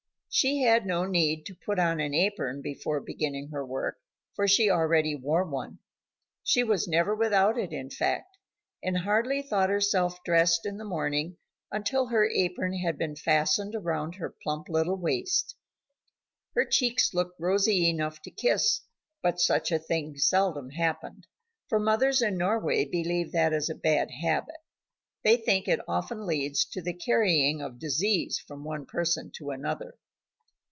She had no need to put on an apron before beginning her work, for she already wore one. She was never without it, in fact, and hardly thought herself dressed in the morning until her apron had been fastened around her plump little waist. Her cheeks looked rosy enough to kiss, but such a thing seldom happened, for mothers in Norway believe that is a bad habit. They think that it often leads to the carrying of disease from one person to another.